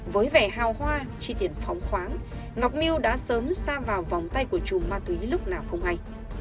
với vẻ hào hoa chi tiền phong khoáng ngọc miu đã sớm xa vào vòng tay của chùm ma túy lúc nào không hay